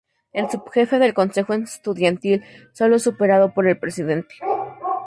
El subjefe del consejo estudiantil, sólo superado por el presidente.